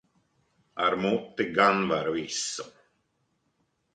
Ar muti gan var visu.